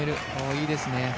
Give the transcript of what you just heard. いいですね。